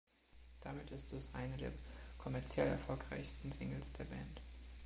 Damit ist es eine der kommerziell erfolgreichsten Singles der Band.